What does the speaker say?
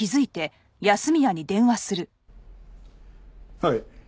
はい。